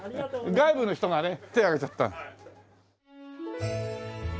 外部の人がね手挙げちゃった。